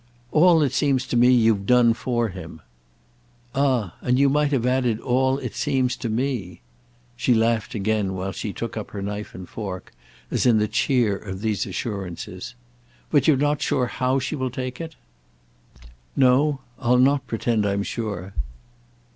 "All it seems to me you've done for him." "Ah and you might have added all it seems to me!" She laughed again, while she took up her knife and fork, as in the cheer of these assurances. "But you're not sure how she'll take it." "No, I'll not pretend I'm sure."